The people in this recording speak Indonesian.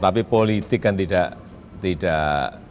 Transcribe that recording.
yang masih ada di rumah